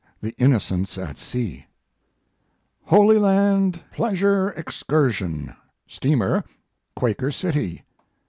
THE INNOCENTS AT SEA HOLY LAND PLEASURE EXCURSION Steamer: Quaker City.